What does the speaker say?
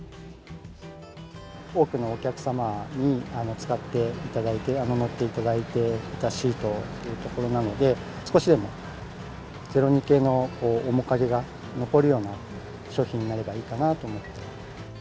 多くのお客様に使っていただいて、乗っていただいていたシートというところなので、少しでも０２系の面影が残るような商品になればいいかなと思って。